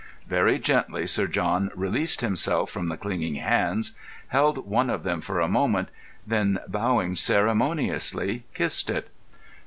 Very gently Sir John released himself from the clinging hands, held one of them for a moment; then, bowing ceremoniously, kissed it.